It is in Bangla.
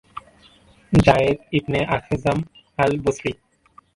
Zayed ibn Akhzam al-Basri